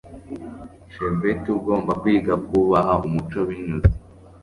chebet, ugomba kwiga kubaha umuco. binyuze